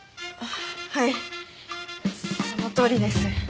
はいそのとおりです。